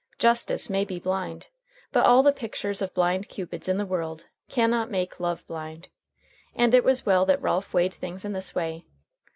Justice may be blind, but all the pictures of blind cupids in the world can not make Love blind. And it was well that Ralph weighed things in this way.